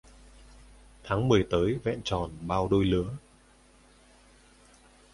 Tháng mười tới vẹn tròn bao đôi lứa